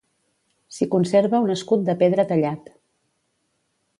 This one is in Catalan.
S'hi conserva un escut de pedra tallat.